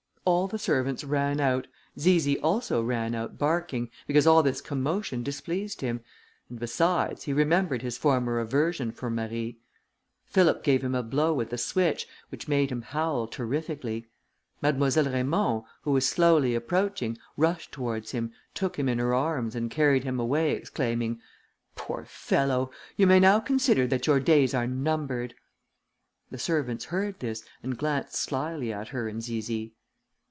All the servants ran out; Zizi also ran out barking, because all this commotion displeased him, and besides, he remembered his former aversion for Marie. Philip gave him a blow with a switch, which made him, howl terrifically. Mademoiselle Raymond, who was slowly approaching, rushed towards him, took him in her arms and carried him away, exclaiming, "Poor fellow! you may now consider that your days are numbered." The servants heard this, and glanced slyly at her and Zizi.